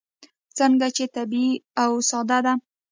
ځکه چې طبیعي او ساده ده.